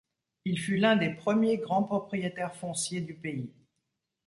Il fut l'un des premiers des grands propriétaires fonciers du pays.